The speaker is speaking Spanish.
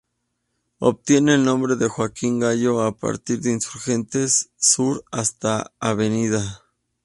Obtiene el nombre de Joaquín Gallo a partir de Insurgentes Sur hasta Av.